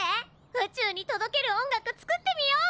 宇宙に届ける音楽作ってみよう！